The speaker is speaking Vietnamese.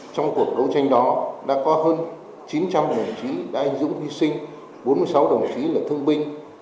trong cuộc đấu tranh đó đã có hơn chín trăm linh đồng chí đã anh dũng hy sinh bốn mươi sáu đồng chí là thương binh